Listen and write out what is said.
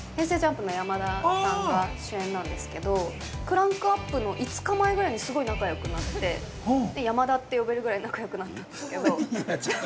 ＪＵＭＰの山田さんが主演なんですけどクランクアップの５日前ぐらいにすごい仲よくなって「山田」って呼べるぐらい仲よくなったんですけど。